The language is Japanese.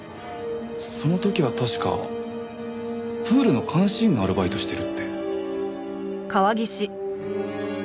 その時は確かプールの監視員のアルバイトをしてるって。